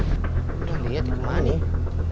gak pernah lihat di mana nih